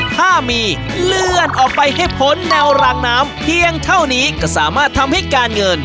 ถ้ามีเลื่อนออกไปให้พ้นแนวรางน้ำเพียงเท่านี้ก็สามารถทำให้การเงิน